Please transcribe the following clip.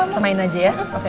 samain aja sama kamu